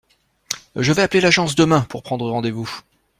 Je vais appeler l'agence demain pour prendre rendez-vous.